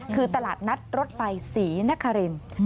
คือตลาดนัดรถไฟศรีนคริน